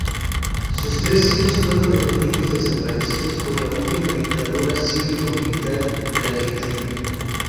Sus tres hijos fueron detenidos desaparecidos por la última dictadura cívico militar de Argentina.